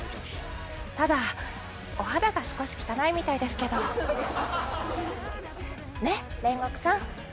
ただお肌が少し汚いみたいですけどねっ煉獄さん